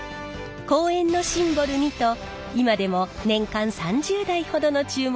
公園のシンボルにと今でも年間３０台ほどの注文があるそうです。